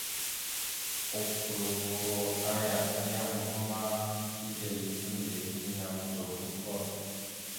Otlovo aya a yam va ma, eɗel eŋgleɗeŋ yam dorvoɗvoɗ.